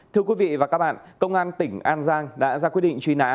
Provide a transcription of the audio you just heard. thưa quý vị và các bạn công an tỉnh an giang đã ra quyết định truy nã